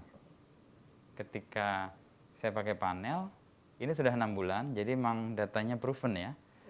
nah ketika saya pakai panel ini sudah enam bulan jadi memang datanya proven ya